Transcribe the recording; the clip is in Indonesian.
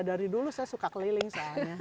dari dulu saya suka keliling soalnya